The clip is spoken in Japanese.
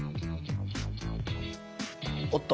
おっと。